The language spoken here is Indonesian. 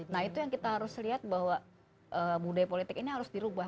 nah itu yang kita harus lihat bahwa budaya politik ini harus dirubah